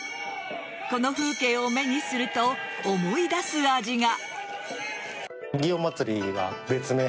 この風景を目にすると思い出す味が。